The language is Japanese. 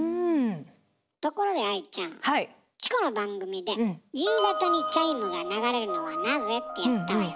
ところで愛ちゃんチコの番組で「夕方にチャイムが流れるのはなぜ？」ってやったわよね。